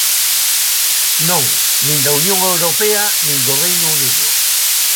Non, nin da Unión Europea nin do Reino Unido.